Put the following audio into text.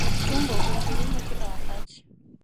Tumbo kunguruma kila wakati